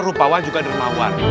rupawan juga dermawan